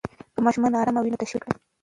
که ماشوم نا آرامه وي، تشویق یې کړئ.